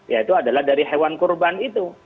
ya itu adalah dari hewan korban itu